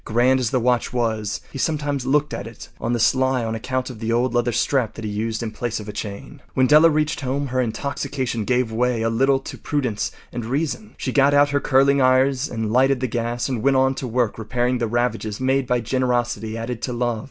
Grand as the watch was, he sometimes looked at it on the sly on account of the old leather strap that he used in place of a chain. When Della reached home her intoxication gave way a little to prudence and reason. She got out her curling irons and lighted the gas and went to work repairing the ravages made by generosity added to love.